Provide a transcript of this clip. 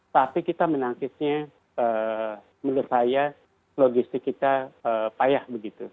tapi kita menangkisnya menurut saya logistik kita payah begitu